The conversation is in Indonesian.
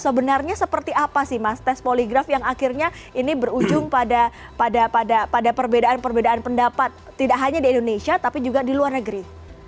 sebenarnya seperti apa sih mas tes poligraf yang akhirnya ini berujung pada perbedaan perbedaan pendapat tidak hanya di indonesia tapi juga di luar negeri